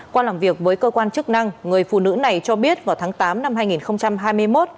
qua làm việc với cơ quan chức năng người phụ nữ này cho biết vào tháng tám năm hai nghìn hai mươi một